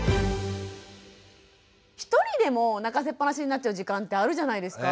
１人でも泣かせっぱなしになっちゃう時間ってあるじゃないですか。